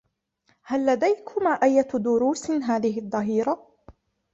هل لديكما أيّة دروس هذه الظّهيرة؟